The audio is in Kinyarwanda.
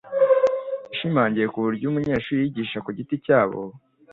ishimangiye ku buryo umunyeshuri wiyigisha ku giti cyabo